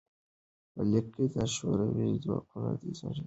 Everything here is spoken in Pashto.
لیک کې د شوروي ځواکونو د ځنډیدو علت بیان شوی.